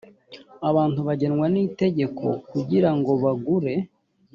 abantu bagenwa n’ itegeko kugira ngo bagure